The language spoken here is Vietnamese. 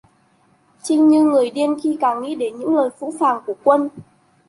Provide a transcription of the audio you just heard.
Chinh như người điên khi càng nghĩ đến những lời phũ phàng của quân